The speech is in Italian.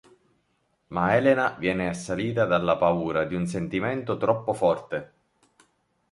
Ma Elena viene assalita dalla paura di un sentimento troppo forte.